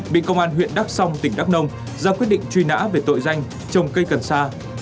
bị công an huyện đắk song tỉnh đắk nông ra quyết định truy nã về tội danh trồng cây cần sa